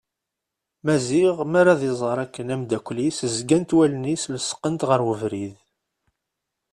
Maziɣ mi ara ad iẓer akken amddakel-is zgant wallen-is lesqent ɣer ubrid.